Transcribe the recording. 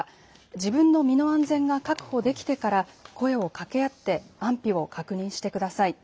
自分の身の安全が確保できてから声をかけ合って安否を確認してください。